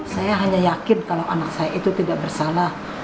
saya hanya yakin kalau anak saya itu tidak bersalah